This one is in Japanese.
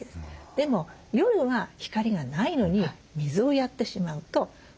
でも夜は光がないのに水をやってしまうと伸びる。